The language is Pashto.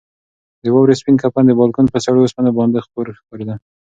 د واورې سپین کفن د بالکن پر سړو اوسپنو باندې خپور ښکارېده.